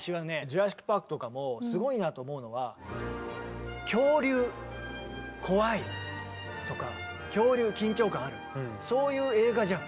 「ジュラシック・パーク」とかもすごいなと思うのは恐竜怖いとか恐竜緊張感あるそういう映画じゃん。